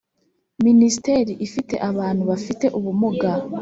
Minisiteri ifite abantu bafite ubumuga.